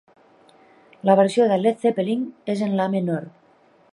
La versió de Led Zeppelin és en la menor.